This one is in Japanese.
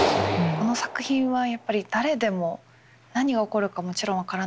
この作品はやっぱり誰でも何が起こるかもちろん分からないですし